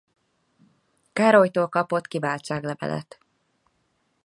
Károlytól kapott kiváltságlevelet.